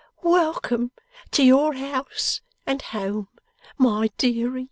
Welcome to your house and home, my deary!